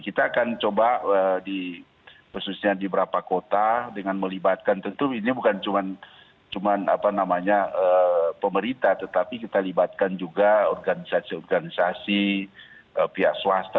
kita akan coba khususnya di beberapa kota dengan melibatkan tentu ini bukan cuma pemerintah tetapi kita libatkan juga organisasi organisasi pihak swasta